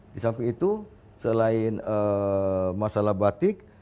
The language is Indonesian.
disamping itu selain masalah batik